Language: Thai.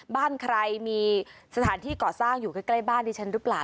บ้านใครมีสถานที่ก่อสร้างอยู่ใกล้บ้านดิฉันหรือเปล่า